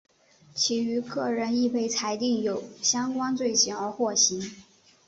其余各人亦被裁定有相关罪行而获刑。